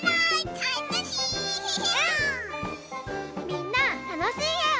みんなたのしいえを。